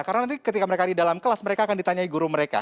karena nanti ketika mereka di dalam kelas mereka akan ditanyai guru mereka